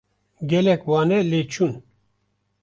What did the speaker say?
Gelek wane lê çûn.